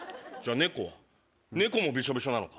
猫もびしょびしょなのか？